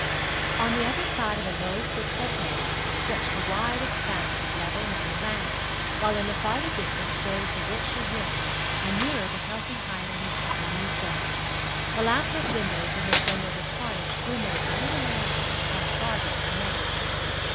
On the other side of a low quickset hedge stretched a wide expanse of level meadow land, while in the farther distance rose the Wiltshire hills, and nearer the heathy highlands of the New Forest. The lamp lit windows of Miss Wendover's cottage glimmered a little way off, across gardens and meadows.